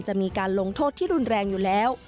จะมีการลงโทษที่รุนแรงอยู่แล้ว